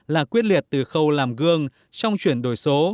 là quyết liệt từ khâu làm gương trong chuyển đổi số